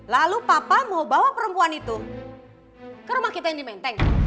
lalu papa mau bawa perempuan itu ke rumah kita yang di menteng